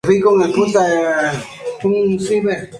La causa británica parecía estar en un punto particularmente bajo.